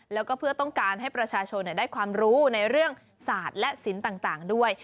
แล้วก็เพื่อต้องการให้ประชาชนได้ความรู้ในเรื่องศาสตร์และศิลป์ต่างด้วย